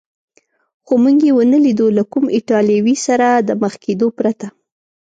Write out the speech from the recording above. خو موږ یې و نه لیدو، له کوم ایټالوي سره د مخ کېدو پرته.